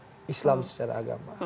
yang dibawa oleh islam secara agama